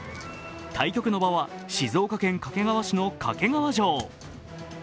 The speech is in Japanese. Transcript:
対局の場は静岡県掛川市の掛川城。